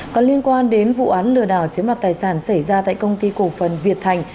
còn liên quan đến vụ án lừa đảo chiếm đoạt tài sản xảy ra tại công ty cổ phần việt thành